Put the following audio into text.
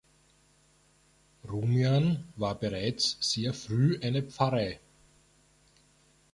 Rumian war bereits sehr früh eine Pfarrei.